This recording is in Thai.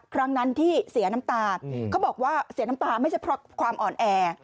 ครั้งนั้นที่เสียน้ำตาเขาบอกว่าเสียน้ำตาไม่ใช่เพราะความอ่อนแอ